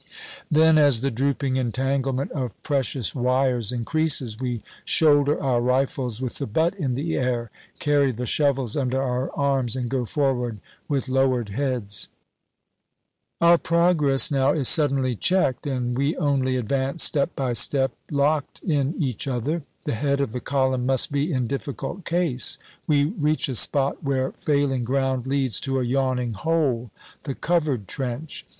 Then, as the drooping entanglement of precious wires increases, we shoulder our rifles with the butt in the air, carry the shovels under our arms, and go forward with lowered heads. Our progress now is suddenly checked, and we only advance step by step, locked in each other. The head of the column must be in difficult case. We reach a spot where failing ground leads to a yawning hole the Covered Trench.